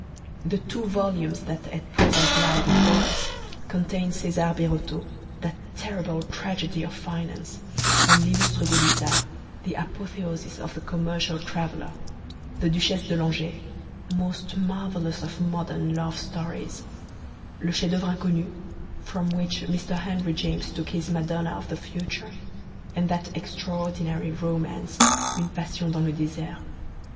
The two volumes that at present lie before us contain Cesar Birotteau, that terrible tragedy of finance, and L'lllustre Gaudissart, the apotheosis of the commercial traveller, the Duchesse de Langeais, most marvellous of modern love stories, Le Chef d'OEuvre Inconnu, from which Mr. Henry James took his Madonna of the Future, and that extraordinary romance Une Passion dans le Desert.